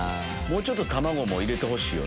もうちょっと卵も入れてほしい。